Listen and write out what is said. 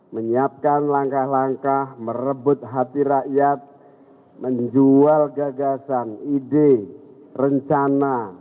menyiapkan langkah langkah merebut hati rakyat menjual gagasan ide rencana